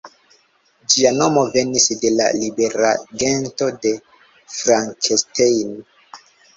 Ĝia nomo venis de la libera gento „de Frankenstein“.